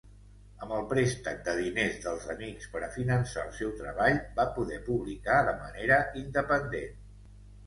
Amb el préstec de diners dels amics per a finançar el seu treball, va poder publicar de manera independent.